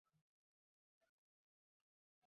আমি বললাম, বন্দুকের ব্যবস্থা করার কোনো দরকার নেই।